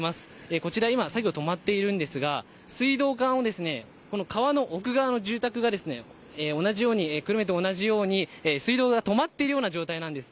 こちら、作業が止まっていますが水道管を川の奥側の住宅が久留米と同じように水道が止まっている状態なんです。